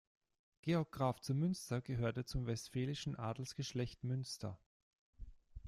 Georg Graf zu Münster gehörte zum westfälischen Adelsgeschlecht Münster.